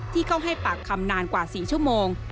เข้าให้ปากคำนานกว่า๔ชั่วโมง